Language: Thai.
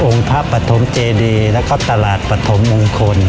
องค์ภาพปฐมเจดีย์แล้วก็ตลาดปฐมองคล